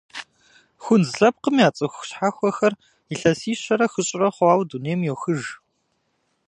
Хунз лъэпкъым я цӏыху щхьэхуэхэр илъэсищэрэ хыщӏрэ хъуауэ дунейм йохыж.